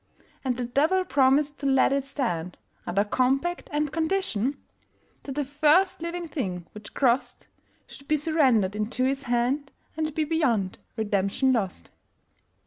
And the Devil promised to let it stand, Under compact and conditionThat the first living thing which crossedShould be surrendered into his hand, And be beyond redemption lost.